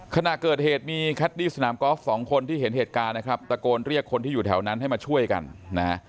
ขณะเกิดเหตุมีแคดดี้สนามกอล์ฟสองคนที่เห็นเหตุการณ์นะครับตะโกนเรียกคนที่อยู่แถวนั้นให้มาช่วยกันนะฮะ